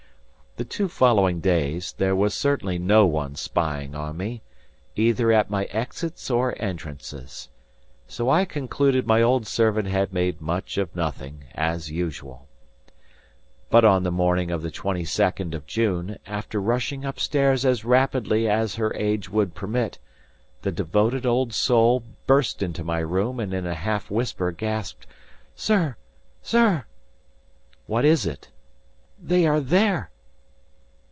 The two following days, there was certainly no one spying on me, either at my exits or entrances. So I concluded my old servant had made much of nothing, as usual. But on the morning of the twenty second of June, after rushing upstairs as rapidly as her age would permit, the devoted old soul burst into my room and in a half whisper gasped "Sir! Sir!" "What is it?" "They are there!"